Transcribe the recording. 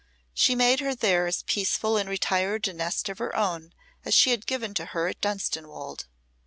She made her there as peaceful and retired a nest of her own as she had given to her at Dunstanwolde.